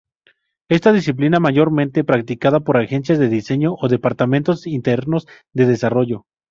Esta disciplina es mayormente practicada por agencias de diseño o departamentos internos de desarrollo.